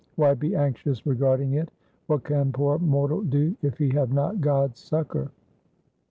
Why be anxious regarding it ? What can poor mortal do if he have not God's succour